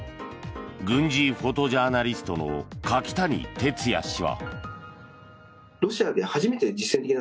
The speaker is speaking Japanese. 軍事フォトジャーナリストの柿谷哲也氏は。